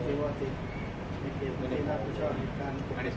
สวัสดีครับทุกคน